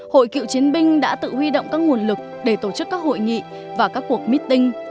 hội cựu chiến binh đã tự huy động các nguồn lực để tổ chức các hội nghị và các cuộc meeting